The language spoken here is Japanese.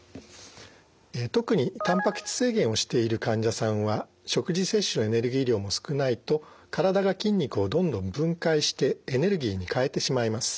特にたんぱく質制限をしている患者さんは食事摂取のエネルギー量も少ないと体が筋肉をどんどん分解してエネルギーに変えてしまいます。